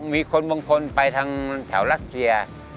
มีคนบางคนไปทางแถวรัสเซีย